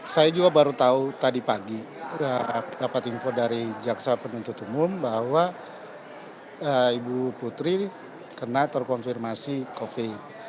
saya juga baru tahu tadi pagi sudah dapat info dari jaksa penuntut umum bahwa ibu putri kena terkonfirmasi covid